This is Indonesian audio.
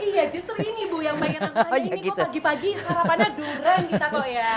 iya justru ini bu yang bayangin anggotanya ini kok pagi pagi sarapannya durian kita kok ya